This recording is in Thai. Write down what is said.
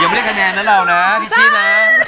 ยังไม่ได้คะแนนนะเรานะพิชชี้นะ